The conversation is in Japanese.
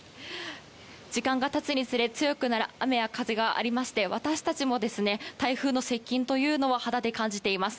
時間が経つにつれ強くなる雨や風がありまして私たちも、台風の接近というのを肌で感じています。